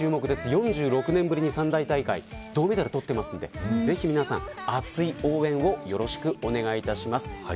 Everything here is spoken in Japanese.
４６年ぶりに３大会で銅メダルを取っていますんでぜひ皆さん熱い応援をよろしくお願いします。